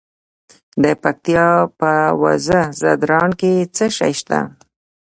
د پکتیا په وزه ځدراڼ کې څه شی شته؟